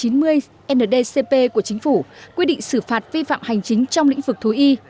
ngoại trưởng nndcp của chính phủ quy định xử phạt vi phạm hành chính trong lĩnh vực thú y